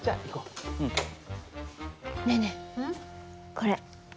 これ。